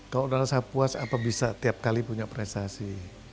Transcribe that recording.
kalau udah rasa puas apa bisa tiap kali punya prestasi